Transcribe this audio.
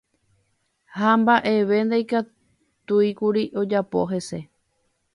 Ha mba'eve ndaikatúikuri ojapo hese.